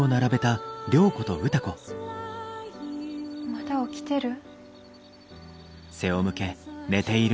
まだ起きてる？